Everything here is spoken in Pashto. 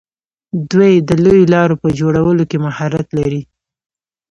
دوی د لویو لارو په جوړولو کې مهارت لري.